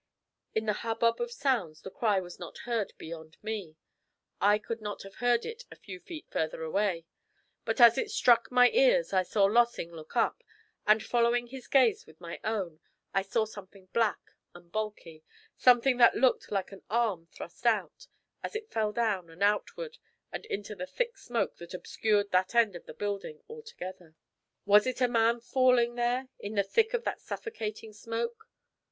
In the hubbub of sounds the cry was not heard beyond me. I could not have heard it a few feet farther away; but as it struck my ears I saw Lossing look up, and, following his gaze with my own, I saw something black and bulky, something that looked like an arm thrust out, as it fell down and outward and into the thick smoke that obscured that end of the building altogether. Was it a man falling there in the thick of that suffocating smoke?